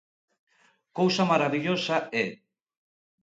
Cousa marabillosa, eh!